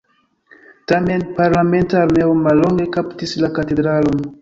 Tamen parlamenta armeo mallonge kaptis la katedralon.